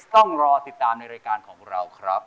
ต้องรอติดตามในรายการของเราครับ